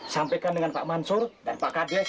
sampaikan dengan pak mansur dan pak kades